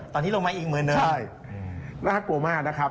ตอนนี้ลงมาอีกหมื่นนึงใช่น่ากลัวมากนะครับ